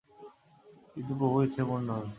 কিন্তু প্রভুর ইচ্ছাই পূর্ণ হবে।